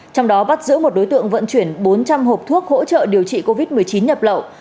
trong đó bắt giữ một đối tượng vận chuyển bốn trăm linh hộp thuốc hỗ trợ điều trị covid một mươi chín nhập lậu